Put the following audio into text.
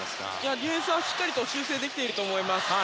ディフェンスはしっかり修正できていると思います。